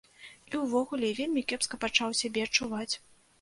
І ўвогуле, вельмі кепска пачаў сябе адчуваць.